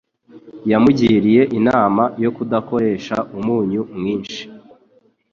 Yamugiriye inama yo kudakoresha umunyu mwinshi